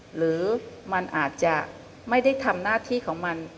หรือมันอาจจะไม่ได้ทำหน้าที่ของมัน